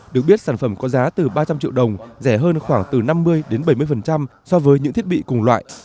được biết sản phẩm có giá từ ba trăm linh triệu đồng rẻ hơn khoảng từ năm mươi đến bảy mươi so với những thiết bị cùng loại